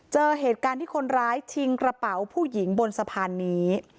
เจอเหตุการณ์ที่คนร้ายชิงกระเป๋าผู้หญิงบนสะพานนี้